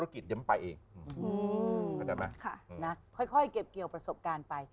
ค่อยเก็บเกี่ยวประสบการณ์ไป